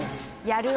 「やる。